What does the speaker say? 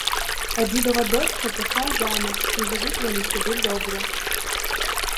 А дідова дочка пішла заміж, і живуть вони собі добре.